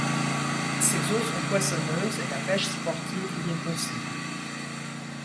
Ses eaux sont poissonneuses et la pêche sportive y est possible.